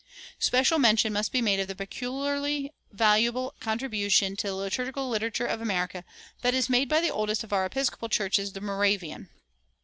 Special mention must be made of the peculiarly valuable contribution to the liturgical literature of America that is made by the oldest of our episcopal churches, the Moravian.